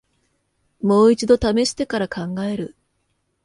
もう一度ためしてから考える